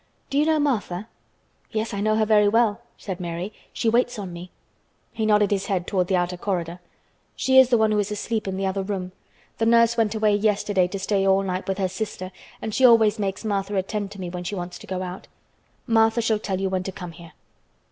Do you know Martha?" "Yes, I know her very well," said Mary. "She waits on me." He nodded his head toward the outer corridor. "She is the one who is asleep in the other room. The nurse went away yesterday to stay all night with her sister and she always makes Martha attend to me when she wants to go out. Martha shall tell you when to come here."